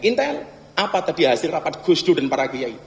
intel apa tadi hasil rapat gus dur dan para giyai